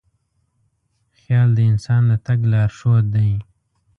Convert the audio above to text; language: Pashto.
خیال د انسان د تګ لارښود دی.